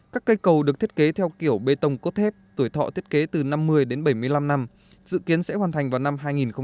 các cây cầu được thiết kế theo kiểu bê tông cốt thép tuổi thọ thiết kế từ năm mươi đến bảy mươi năm năm dự kiến sẽ hoàn thành vào năm hai nghìn hai mươi